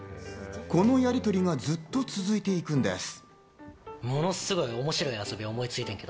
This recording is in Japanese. このやりとりがずっと続いていくんです。